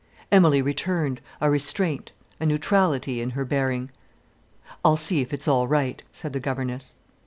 Emilie returned, a restraint, a neutrality, in her bearing. "I'll see if it's all right," said the governess.